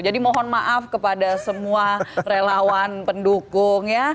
jadi mohon maaf kepada semua relawan pendukungnya